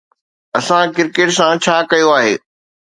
اسان ڪرڪيٽ سان ڇا ڪيو آهي؟